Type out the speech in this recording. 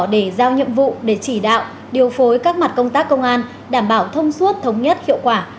để giao nhiệm vụ để chỉ đạo điều phối các mặt công tác công an đảm bảo thông suốt thống nhất hiệu quả